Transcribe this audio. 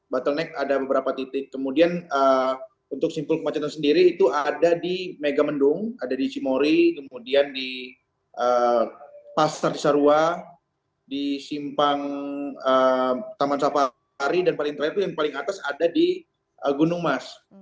bottleneck ada beberapa titik kemudian untuk simpul kemacetan sendiri itu ada di megamendung ada di cimori kemudian di pasar cisarua di simpang taman safari dan paling terakhir itu yang paling atas ada di gunung mas